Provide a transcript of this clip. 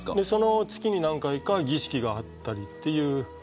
その月に何回か儀式があったりという。